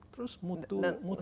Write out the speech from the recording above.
terus mutu ini gimana